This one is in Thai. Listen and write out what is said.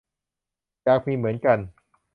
อยากมีเหมือนกัน